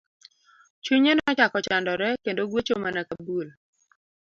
Chunye nochako chandore kendo gwecho mana ka bul.